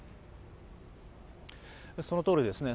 そのとおりです。